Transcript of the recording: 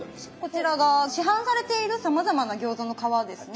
こちらが市販されているさまざまな餃子の皮ですね。